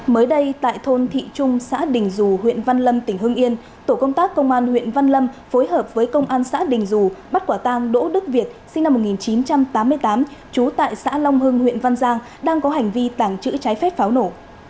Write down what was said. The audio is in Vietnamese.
mới đây tại thôn thị trung xã đình dù huyện văn lâm tỉnh hưng yên tổ công tác công an huyện văn lâm phối hợp với công an xã đình dù bắt quả tang đỗ đức việt sinh năm một nghìn chín trăm tám mươi tám trú tại xã long hưng huyện văn giang đang có hành vi tàng trữ trái phép pháo nổ